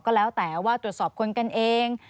ก็แล้วแต่ว่าตรวจสอบคนกันเอง